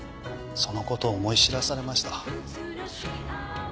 その事を思い知らされました。